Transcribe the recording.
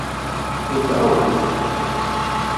Weddṛen-t?